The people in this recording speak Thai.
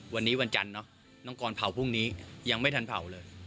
วันนี้วันจันทร์เนอะน้องกรเผาพรุ่งนี้ยังไม่ทันเผาเลย